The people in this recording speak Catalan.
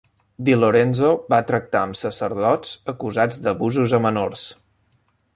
DiLorenzo va tractar amb sacerdots acusats d'abusos a menors.